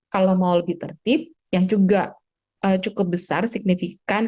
kalau mau lebih tertib yang juga cukup besar signifikan